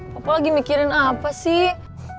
papa lagi mikirin apa sih